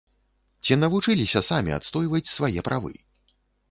Ці навучыліся самі адстойваць свае правы?